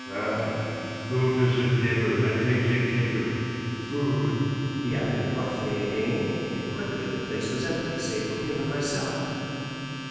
Ah, go to the devil and fetch the kettle, fool!" he added roughly again, and quickly the place was empty save for him and myself.